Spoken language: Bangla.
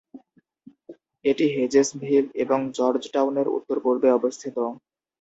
এটি হেজেসভিল এবং জর্জটাউনের উত্তর-পূর্বে অবস্থিত।